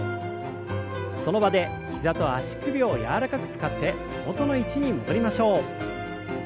その場で膝と足首を柔らかく使って元の位置に戻りましょう。